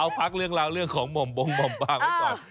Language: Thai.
เอาพักเรื่องราวเรื่องของหม่อมบงหม่อมบางไว้ก่อน